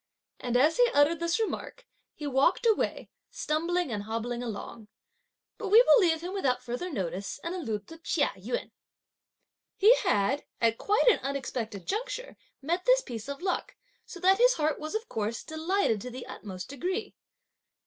And as he uttered this remark he walked away, stumbling and hobbling along. But we will leave him without further notice and allude to Chia Yün. He had, at quite an unexpected juncture, met this piece of luck, so that his heart was, of course, delighted to the utmost degree.